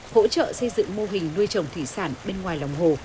hỗ trợ xây dựng mô hình nuôi trồng thủy sản bên ngoài lòng hồ